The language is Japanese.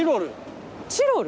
チロル。